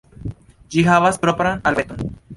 Ĝi havas propran alfabeton.